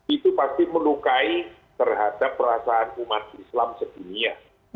itu pasti melukai terhadap perasaan umat islam segini ya